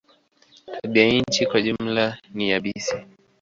Tabianchi kwa jumla ni yabisi.